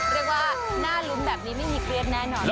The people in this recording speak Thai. เรียกว่าหน้าลุ้นแบบนี้ไม่มีเครียดแน่นอน